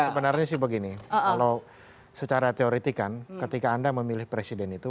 sebenarnya sih begini kalau secara teoreti kan ketika anda memilih presiden itu